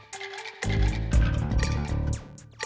teh gak beli ini